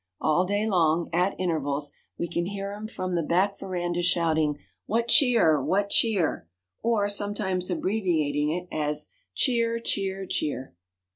All day long, at intervals, we can hear him from the back veranda, shouting, "What cheer! what cheer!" or sometimes abbreviating it as "Cheer, cheer, cheer!"